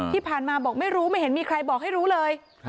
ที่ผ่านมาบอกไม่รู้ไม่เห็นมีใครบอกให้รู้เลย